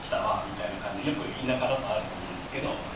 みたいな感じでよく田舎だとあると思うんですけど。